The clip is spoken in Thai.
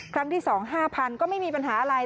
ครั้งที่๒๕๐๐ก็ไม่มีปัญหาอะไร